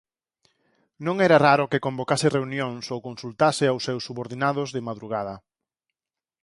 Non era raro que convocase reunións ou consultase aos seus subordinados de madrugada.